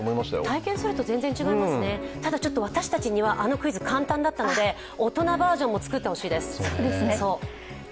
体験すると全然違いますね、ただ、私たちにはあのクイズ、簡単だったので大人バージョンも作ってほしいです。